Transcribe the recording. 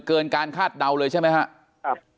เกินการคาดเดาเลยใช่ไหมครับ